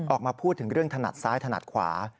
ออกมาพูดถึงเรื่องถนัดซ้ายถนัดขวา